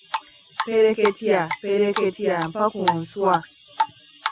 Ppereketya ppereketya mpa ku nswa.